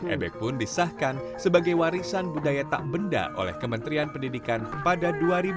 ebek pun disahkan sebagai warisan budaya tak benda oleh kementerian pendidikan pada dua ribu dua